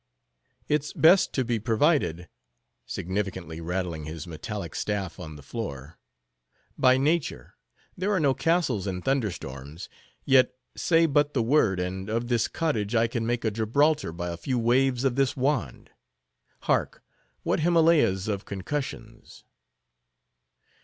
It's best to be provided;"—significantly rattling his metallic staff on the floor;—"by nature, there are no castles in thunder storms; yet, say but the word, and of this cottage I can make a Gibraltar by a few waves of this wand. Hark, what Himalayas of concussions!"